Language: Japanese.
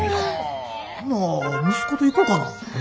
ほな息子と行こかな。